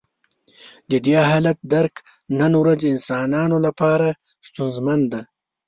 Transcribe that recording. د دې حالت درک نن ورځ انسانانو لپاره ستونزمن دی.